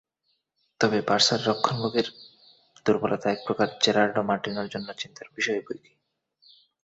তবে বার্সার রক্ষণভাগের দুর্বলতা একপ্রকার জেরার্ডো মার্টিনোর জন্য চিন্তার বিষয় বৈকি।